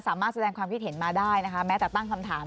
สามารถแสดงความคิดเห็นมาได้นะคะแม้แต่ตั้งคำถาม